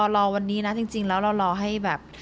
รอวันนี้นะจริงแล้วเรารอให้แบบ